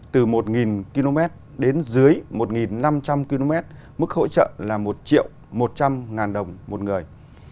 từ một km đến dưới một năm trăm linh km mức hỗ trợ là một một trăm linh ngàn đồng một người